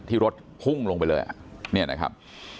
ที่รถพุ่งลงไปเลยเนี่ยนะครับ